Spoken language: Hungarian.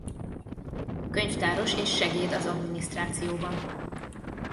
Könyvtáros és segéd az adminisztrációban.